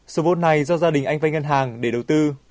số vốn này do gia đình anh vay ngân hàng để đầu tư